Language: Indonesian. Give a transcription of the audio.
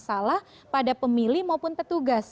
salah pada pemilih maupun petugas